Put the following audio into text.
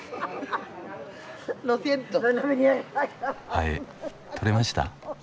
ハエ取れました？